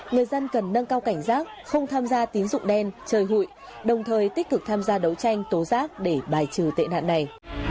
người dân cần nâng cao cảnh giác không tham gia tín dụng đen chơi hụi đồng thời tích cực tham gia đấu tranh tố giác để bài trừ tệ nạn này